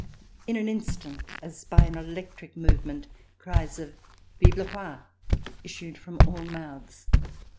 In an Instant, as by an electric movement, cries of "Vive le Rol!" issued from all mouths.